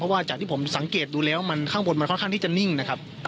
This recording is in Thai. ว่าจากที่ผมสังเกตดูแล้วมันข้างบนมันค่อนข้างที่จะนิ่งนะครับ